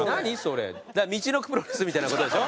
だからみちのくプロレスみたいな事でしょ？